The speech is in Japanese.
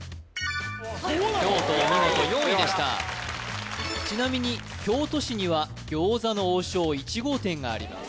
京都お見事４位でしたちなみに京都市には餃子の王将１号店があります